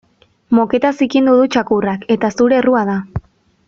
Moketa zikindu du txakurrak eta zure errua da.